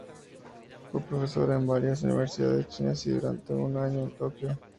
Fue profesora en varias universidades chinas y durante un año en Tokio.